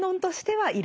はい。